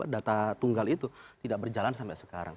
data tunggal itu tidak berjalan sampai sekarang